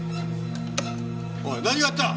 おい何があった！